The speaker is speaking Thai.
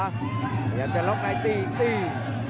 พยายามจะล็อคให้ตีตี